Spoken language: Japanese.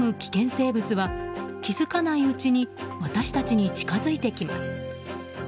生物は気づかないうちに私たちに近づいてきます。